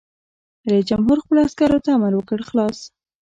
رئیس جمهور خپلو عسکرو ته امر وکړ؛ خلاص!